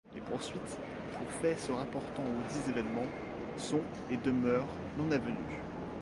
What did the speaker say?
Les poursuites, pour faits se rapportant aux dits événements, sont et demeurent non avenues.